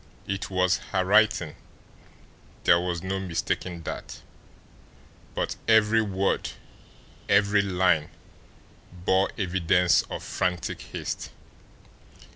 It was her writing; there was no mistaking that, but every word, every line bore evidence of frantic haste.